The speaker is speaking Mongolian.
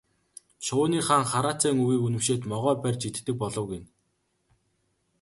Шувууны хаан хараацайн үгийг үнэмшээд могой барьж иддэг болов гэнэ.